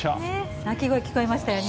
鳴き声、聞こえましたよね。